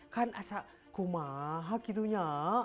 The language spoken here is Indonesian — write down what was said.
kan asal kumahak itunya